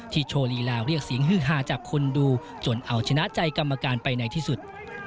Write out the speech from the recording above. โชว์ลีลาเรียกเสียงฮือฮาจากคนดูจนเอาชนะใจกรรมการไปในที่สุด